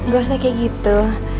gak usah kayak gitu